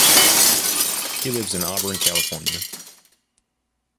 He lives in Auburn, California.